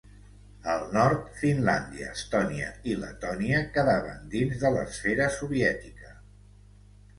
Al nord, Finlàndia, Estònia i Letònia quedaven dins de l'esfera soviètica.